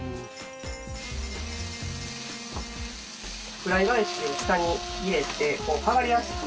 フライ返しを下に入れてこう剥がれやすく。